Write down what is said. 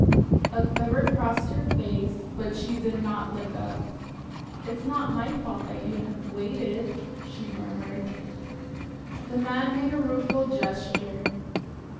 A quiver crossed her face, but she did not look up. "It's not my fault that you have waited," she murmured. The man made a rueful gesture.